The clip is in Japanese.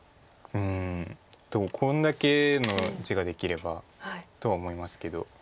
うんこんだけの地ができればとは思いますけど。